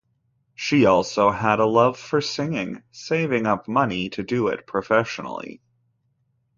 She also had a love for singing, saving up money to do it professionally.